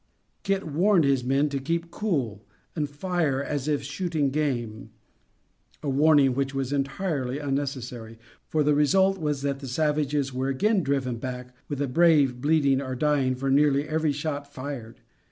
Kit warned his men to keep cool and fire as if shooting game, a warning which was entirely unnecessary, for the result was that the savages were again driven back with a brave bleeding or dying for nearly every shot fired.